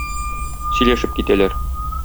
Сөйләшеп китәләр.